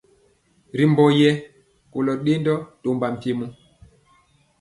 Ri mbɔ ye kolo dendɔ tɔmba mpiemɔ.